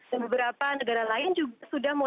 dan beberapa negara lain juga sudah mulai